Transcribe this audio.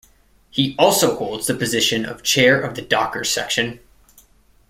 He also holds the position of chair of the Dockers Section.